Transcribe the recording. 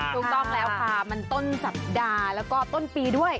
ถูกต้องแล้วค่ะมันต้นสัปดาห์แล้วก็ต้นปีด้วย